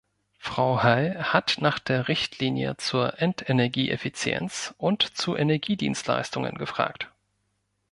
Frau Hall hat nach der Richtlinie zur Endenergieeffizienz und zu Energiedienstleistungen gefragt.